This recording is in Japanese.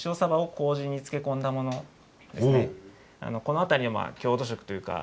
この辺りの郷土食というか。